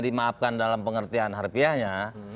dimaafkan dalam pengertian harfiahnya